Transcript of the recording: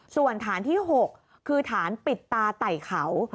ส่วนฐานที่๖คือฐานปิดตาไต่เขา